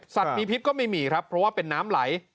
มีพิษก็ไม่มีครับเพราะว่าเป็นน้ำไหล